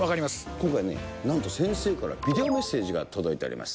今回、なんと先生からビデオメッセージが届いています。